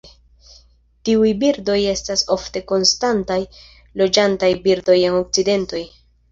Tiuj birdoj estas ofte konstantaj loĝantaj birdoj en okcidento.